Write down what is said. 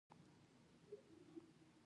کوربه د ځان کبر نه لري.